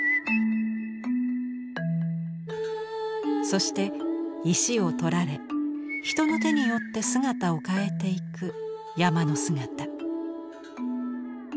そして石を採られ人の手によって姿を変えていく山の姿。